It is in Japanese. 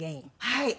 はい。